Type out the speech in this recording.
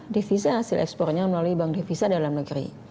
devisa hasil ekspornya melalui bank devisa dalam negeri